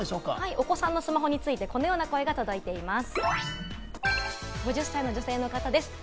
お子さんのスマホについてこのような声が届いています。